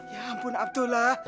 ya ampun abdullah